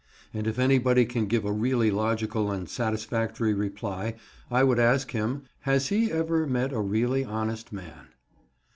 and if anybody can give a really logical and satisfactory reply, I would ask him, Has he ever met a really honest man?